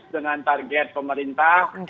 dengan target pemerintah